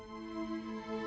aku sudah berjalan